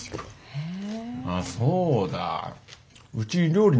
へえ。